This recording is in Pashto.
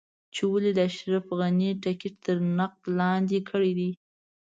چې ولې دې د اشرف غني ټکټ تر نقد لاندې کړی دی.